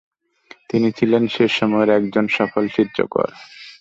তিনি ছিলেন সে সময়ের একজন সফল চিত্রকর।